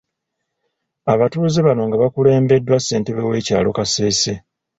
Abatuuze bano nga bakulembeddwa ssentebe w’ekyalo Kasese.